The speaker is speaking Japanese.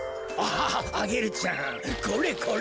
アゲルちゃんこれこれ。